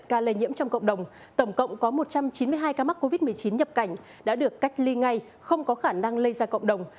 một ca lây nhiễm trong cộng đồng tổng cộng có một trăm chín mươi hai ca mắc covid một mươi chín nhập cảnh đã được cách ly ngay không có khả năng lây ra cộng đồng